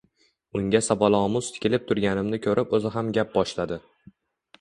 Unga savolomuz tikilib turganimni ko`rib o`zi ham gap boshladi